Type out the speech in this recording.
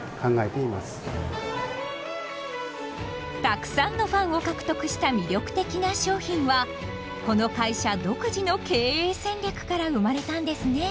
たくさんのファンを獲得した魅力的な商品はこの会社独自の経営戦略から生まれたんですね。